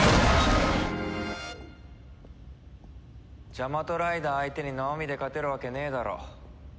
ジャマトライダー相手に生身で勝てるわけねえだろ。